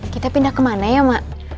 kita pindah kemana ya mak